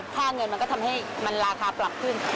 ค่าเงินมันก็ทำให้มันราคาปรับขึ้น